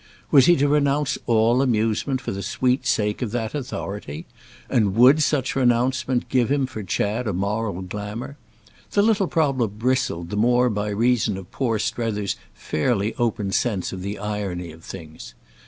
Was he to renounce all amusement for the sweet sake of that authority? and would such renouncement give him for Chad a moral glamour? The little problem bristled the more by reason of poor Strether's fairly open sense of the irony of things.